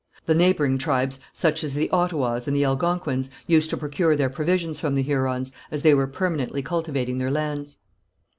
The neighbouring tribes, such as the Ottawas and the Algonquins, used to procure their provisions from the Hurons, as they were permanently cultivating their lands.